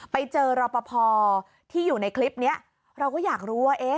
ไปเจอรอปภที่อยู่ในคลิปเนี้ยเราก็อยากรู้ว่าเอ๊ะ